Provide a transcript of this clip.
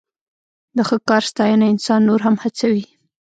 د ښه کار ستاینه انسان نور هم هڅوي.